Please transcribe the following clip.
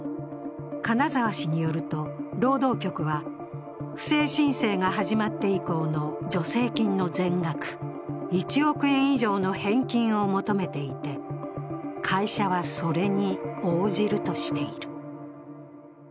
金沢氏によると、労働局は不正申請が始まって以降の助成金の全額、１億円以上の返金を求めていて、会社はそれに応じるとしている。